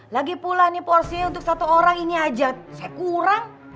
lagi pula nih porsinya untuk satu orang ini aja saya kurang